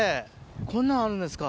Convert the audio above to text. こんなんあるんですか。